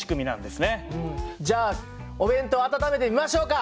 じゃあお弁当温めてみましょうか。